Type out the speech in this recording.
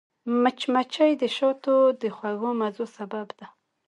مچمچۍ د شاتو د خوږو مزو سبب ده